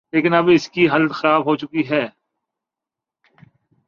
لیکن اب اس کی حالت خراب ہو چکی ہے۔